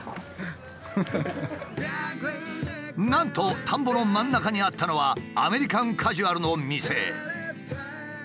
なんと田んぼの真ん中にあったのはアメリカンカジュアルの店。